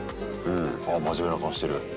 あ真面目な顔してる。